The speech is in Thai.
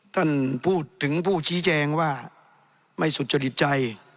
ท่านพูดถึงผู้ชี้แจงว่าไม่สุจริตใจ